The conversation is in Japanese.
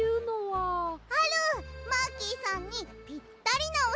マーキーさんにぴったりなおしごと！